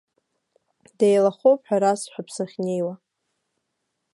Деилахоуп ҳәа расҳәап сахьнеиуа.